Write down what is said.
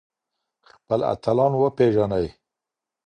خپل اتلان وپېژنئ.